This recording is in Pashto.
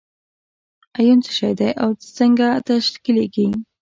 ایون څه شی دی او څنګه تشکیلیږي؟